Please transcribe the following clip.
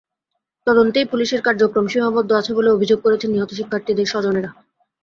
তদন্তেই পুলিশের কার্যক্রম সীমাবদ্ধ আছে বলে অভিযোগ করেছেন নিহত শিক্ষার্থীদের স্বজনেরা।